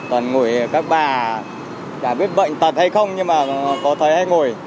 toàn ngồi các bà chả biết bệnh tật hay không nhưng mà có thấy hay ngồi